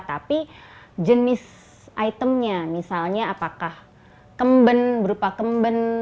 tapi jenis itemnya misalnya apakah kemben berupa kemben